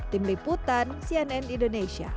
tim liputan cnn indonesia